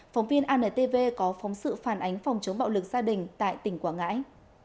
phóng viên antv có phóng sự phản ánh phòng chống bạo lực gia đình tại tỉnh quảng ngãi